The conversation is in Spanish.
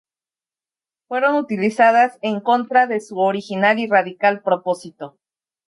Fueron utilizadas en contra de su original y radical propósito.